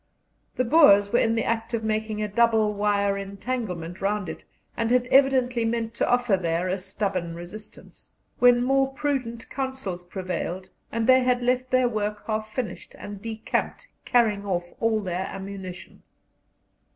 The Boers were in the act of making a double wire entanglement round it, and had evidently meant to offer there a stubborn resistance, when more prudent counsels prevailed, and they had left their work half finished, and decamped, carrying off all their ammunition.